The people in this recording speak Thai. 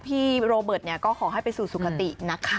พี่โรเบิร์ตก็ขอให้ไปสู่สุขตินะคะ